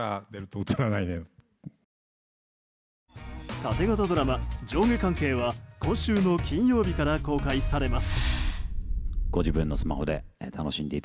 縦型ドラマ「上下関係」は今週の金曜日から公開されます。